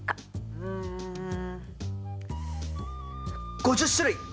うん５０種類！